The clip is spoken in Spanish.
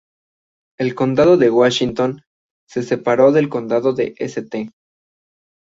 El Condado de Washington se separó del Condado de St.